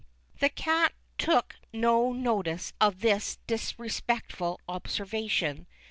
The cat took no notice of this disrespectful observa tion.